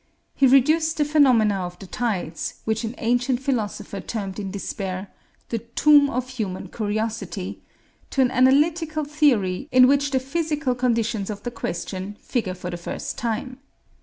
He reduced the phenomena of the tides, which an ancient philosopher termed in despair "the tomb of human curiosity," to an analytical theory in which the physical conditions of the question figure for the first time.